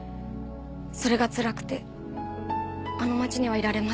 それがつらくてあの町にはいられませんでした。